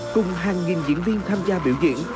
cùng hàng nghìn diễn viên tham gia biểu diễn